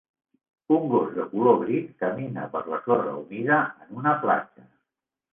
Un gos de color gris camina per la sorra humida en una platja.